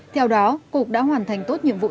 theo đó cục đã hoàn thành tốt nhiệm vụ